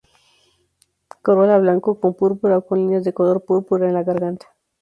Corola blanco con púrpura o con líneas de color púrpura en la garganta.